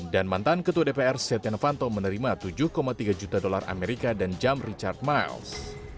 dan mantan ketua dpr setia novanto menerima tujuh tiga juta dolar as dan jam richard miles